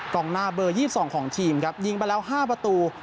กองหน้าเบอร์๒๒ของทีมครับยิงไปแล้ว๕ประตู